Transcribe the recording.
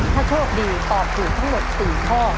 ถ้าโชคดีตอบถูกทั้งหมด๔ข้อ